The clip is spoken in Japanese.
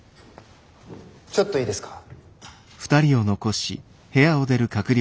ちょっといいですか。